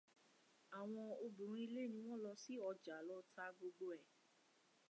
Àwọn obìnrin ilé ni wọ́n ń lọ sí ọjà lọ ta gbogbo ẹ̀.